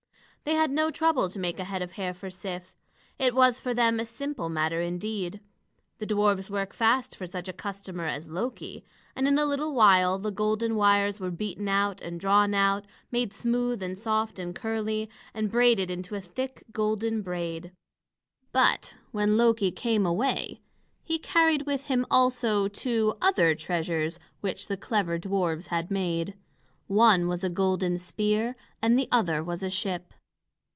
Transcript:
They had no trouble to make a head of hair for Sif. It was for them a simple matter, indeed. The dwarfs work fast for such a customer as Loki, and in a little while the golden wires were beaten out, and drawn out, made smooth and soft and curly, and braided into a thick golden braid. But when Loki came away, he carried with him also two other treasures which the clever dwarfs had made. One was a golden spear, and the other was a ship.